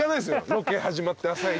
ロケ始まって朝一で。